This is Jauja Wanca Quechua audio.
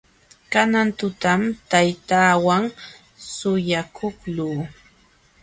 Kanan tutam taytaawan suyakuqluu.